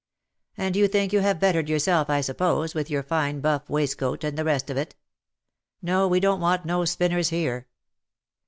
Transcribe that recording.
" And you think you have bettered yourself, I suppose, with your fine buff waistcoat, and the rest of it. No we don't want no spinners here."